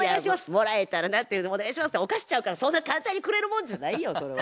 「もらえたらな」って「お願いします」ってお菓子ちゃうからそんな簡単にくれるもんじゃないよそれは。